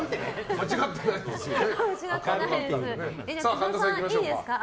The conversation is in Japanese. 間違ってないですよね。